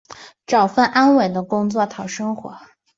找份安稳的工作讨生活